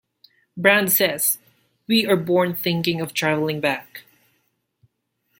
Brand says, We are born thinking of travelling back.